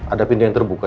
ada pintu yang terbuka